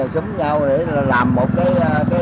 xúm nhau để làm một cái